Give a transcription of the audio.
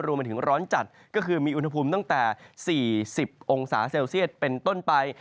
มาถึงร้อนจัดก็คือมีอุณหภูมิตั้งแต่๔๐องศาเซลเซียตเป็นต้นไป